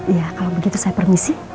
iya kalau begitu saya permisi